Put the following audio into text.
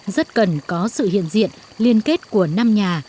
rất cần có sự hiện diện liên kết của năm nhà